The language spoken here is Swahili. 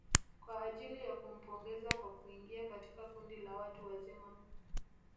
Kwa ajili ya kumpongeza kwa kuingia katika kundi la watu wazima